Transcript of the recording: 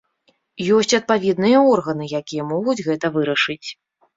Ёсць адпаведныя органы, якія могуць гэта вырашыць.